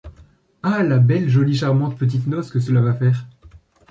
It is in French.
Ah ! la belle jolie charmante petite noce que cela va faire !